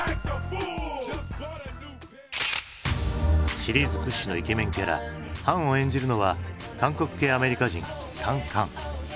シリーズ屈指のイケメンキャラハンを演じるのは韓国系アメリカ人サン・カン。